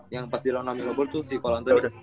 yang pas jalan la melo ball tuh si cole anthony